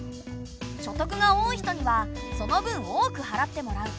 所得が多い人にはその分多く払ってもらう。